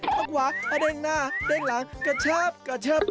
จังหวะเด้งหน้าเด้งหลังกระชับกระเชิบ